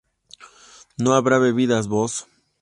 ¿no habrás bebido vos?